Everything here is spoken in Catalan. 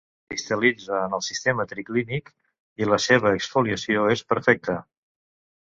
Cristal·litza en el sistema triclínic, i la seva exfoliació és perfecta.